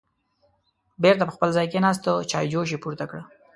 بېرته په خپل ځای کېناسته، چایجوش یې پورته کړه